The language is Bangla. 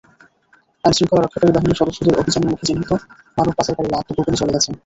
আইনশৃঙ্খলা রক্ষাকারী বাহিনীর সদস্যদের অভিযানের মুখে চিহ্নিত মানব পাচারকারীরা আত্মগোপনে চলে গেছেন।